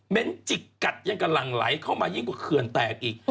จิกกัดยังกำลังไหลเข้ามายิ่งกว่าเขื่อนแตกอีก